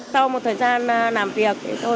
sau một thời gian làm việc